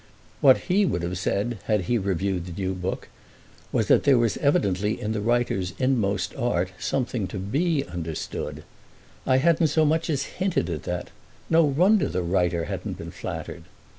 What he would have said, had he reviewed the new book, was that there was evidently in the writer's inmost art something to be understood. I hadn't so much as hinted at that: no wonder the writer hadn't been flattered!